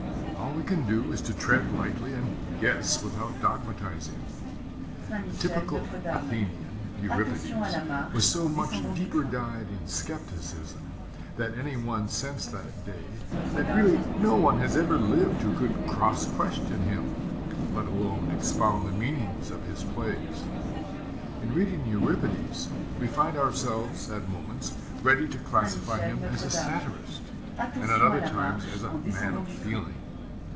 All we can do is to tread lightly and guess without dogmatizing. The typical Athenian, Euripides, was so much deeper dyed in skepticism than any one since that day, that really no one has ever lived who could cross question him let alone expound the meanings of his plays. In reading Euripides, we find ourselves, at moments, ready to classify him as a satirist, and at other moments as a man of feeling.